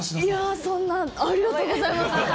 ありがとうございます。